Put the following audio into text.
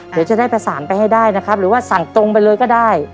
เดี๋ยวจะได้ประสานไปให้ได้นะครับหรือว่าสั่งตรงไปเลยก็ได้